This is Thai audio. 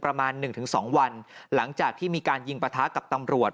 ประมาณ๑๒วันหลังจากที่มีการยิงปะท้ากับตำรวจ